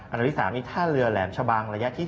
อันดับที่๓นี้ท่าเรือแหลมชะบังระยะที่๒